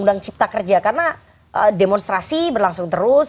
undang undang cipta kerja karena demonstrasi berlangsung terus